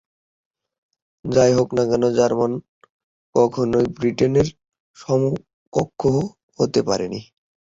যাই হোক না কেন জার্মানি কখনোই ব্রিটেনের সমকক্ষ হতে পারেনি।